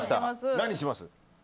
何します？